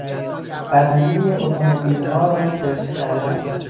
بدنهی اتومبیلها را پرس کردن